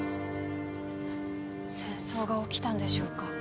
戦争が起きたんでしょうか